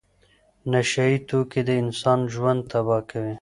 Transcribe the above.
نشه یي توکي د انسان ژوند تباه کوي.